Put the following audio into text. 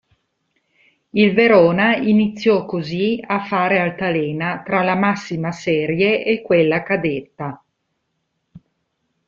Il Verona iniziò così a fare altalena tra la massima serie e quella cadetta.